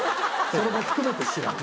それも含めて知らない。